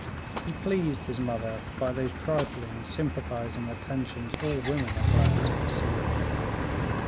He pleased his mother by those trifling sympathizing attentions all women are glad to receive.